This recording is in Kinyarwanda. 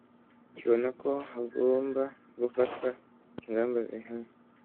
ibona ko hagomba gufatwa ingamba zihamye